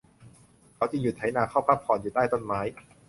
เขาจึงหยุดไถนาเข้าพักผ่อนอยู่ใต้ต้นไม้